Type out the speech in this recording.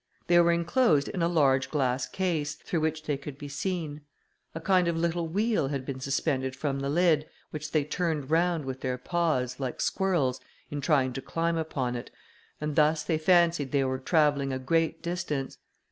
They were inclosed in a large glass case, through which they could be seen; a kind of little wheel had been suspended from the lid, which they turned round with their paws, like squirrels, in trying to climb upon it, and thus they fancied they were travelling a great distance.